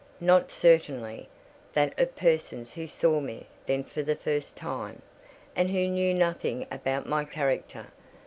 Not, certainly, that of persons who saw me then for the first time, and who knew nothing about my character.